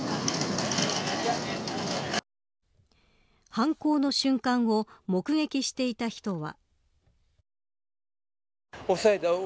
犯行の瞬間を目撃していた人は。